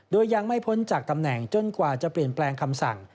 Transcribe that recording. โดยยังไม่พ้นจากตำแหน่งจนกว่าจะเปลี่ยนแปลงคำสั่ง